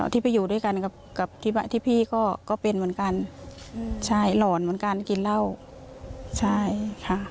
ที่ไปอยู่ด้วยกันกับที่พี่ก็เป็นเหมือนกันใช่หลอนเหมือนกันกินเหล้าใช่ค่ะ